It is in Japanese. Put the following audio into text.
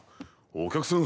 お客さん